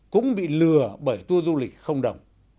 cũng bị lừa bởi tour du lịch không đồng